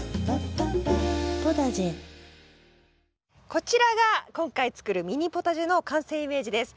こちらが今回作るミニポタジェの完成イメージです。